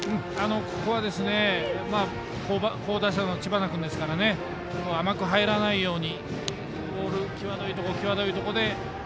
ここは好打者の知花君ですから甘く入らないように。